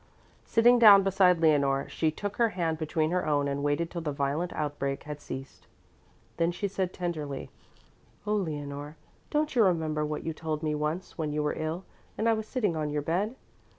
Sitting down beside Leonore, she took her hand between her own and waited till the violent outbreak had ceased. Then she said tenderly: "Oh, Leonore, don't you remember what you told me once when you were ill and I was sitting on your bed?